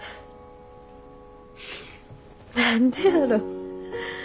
何でやろ。